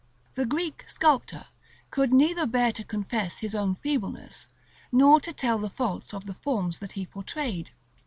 The Greek sculptor could neither bear to confess his own feebleness, nor to tell the faults of the forms that he portrayed.